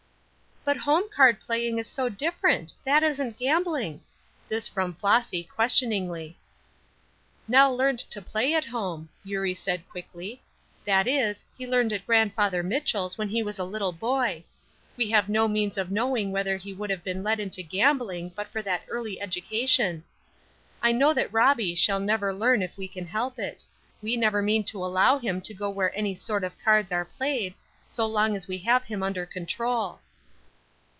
"But home card playing is so different; that isn't gambling." This from Flossy, questioningly. "Nell learned to play at home," Eurie said, quickly. "That is, he learned at Grandfather Mitchell's when he was a little boy. We have no means of knowing whether he would have been led into gambling but for that early education. I know that Robbie shall never learn if we can help it; we never mean to allow him to go where any sort of cards are played, so long as we have him under control."